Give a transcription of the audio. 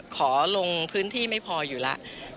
ขอลงพื้นที่ไม่พออยู่แล้ว